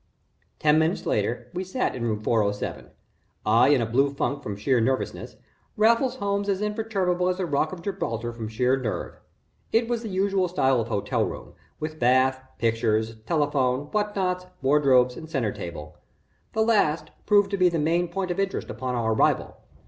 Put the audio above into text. Ten minutes later we sat in room 407 I in a blue funk from sheer nervousness, Raffles Holmes as imperturbable as the rock of Gibraltar from sheer nerve. It was the usual style of hotel room, with bath, pictures, telephone, what nots, wardrobes, and centre table. The last proved to be the main point of interest upon our arrival.